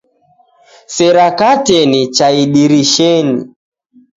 Sera kateni cha idirishenyi